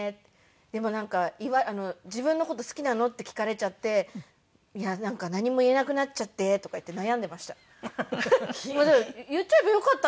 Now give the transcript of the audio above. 「でも“自分の事好きなの？”って聞かれちゃっていやなんか何も言えなくなっちゃって」とか言って悩んでました。